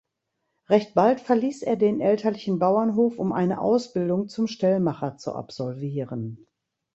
Recht bald verließ er den elterlichen Bauernhof, um eine Ausbildung zum Stellmacher zu absolvieren.